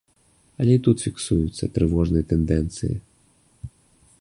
Але і тут фіксуюцца трывожныя тэндэнцыі.